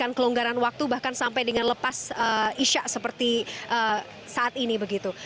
dengan kelonggaran waktu bahkan sampai dengan lepas isya seperti saat ini begitu